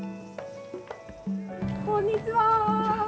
こんにちは。